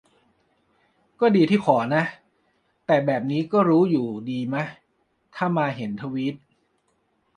ก็ดีที่ขอนะ แต่แบบนี้ก็รู้อยู่ดีมะ ถ้ามาเห็นทวีต